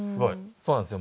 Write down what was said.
そうなんですよ。